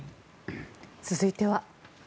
続いては。